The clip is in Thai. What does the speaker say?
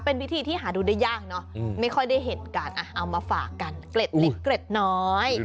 เป็นพิธีที่หาดูได้ยากเนอะไม่ค่อยได้เห็นกันเอามาฝากกันเกล็ดเล็กเกร็ดน้อย